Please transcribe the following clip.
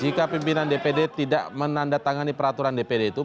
jika pimpinan dpd tidak menandatangani peraturan dpd itu